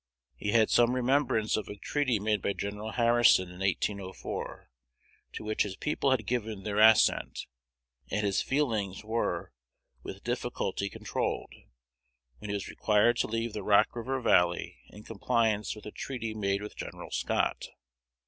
He had some remembrance of a treaty made by Gen. Harrison in 1804, to which his people had given their assent; and his feelings were with difficulty controlled, when he was required to leave the Rock river Valley, in compliance with a treaty made with Gen. Scott.